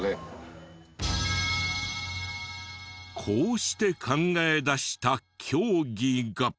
こうして考え出した競技が。